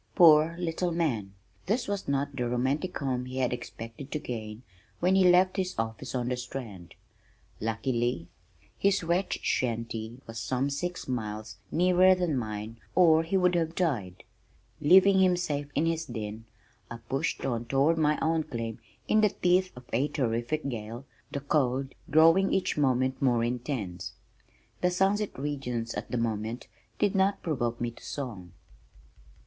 Poor little man! This was not the romantic home he had expected to gain when he left his office on the Strand. Luckily, his wretched shanty was some six miles nearer than mine or he would have died. Leaving him safe in his den, I pushed on toward my own claim, in the teeth of a terrific gale, the cold growing each moment more intense. "The sunset regions" at that moment did not provoke me to song.